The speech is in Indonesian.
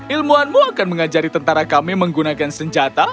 ilmuwanmu akan mengajari tentara kami menggunakan senjata